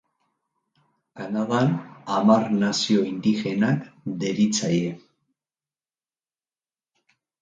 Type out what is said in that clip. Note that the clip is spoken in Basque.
Kanadan hamar nazio indigenak deritzaie.